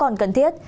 có còn cần thiết